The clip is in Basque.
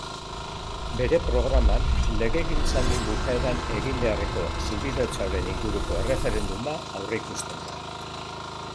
Bere programan, legegintzaldi bukaeran egin beharreko subirautzaren inguruko erreferenduma aurreikusten da.